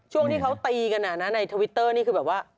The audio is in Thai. ช่วงที่เขาตีกันในทวิตเตอร์นี่คือแบบว่า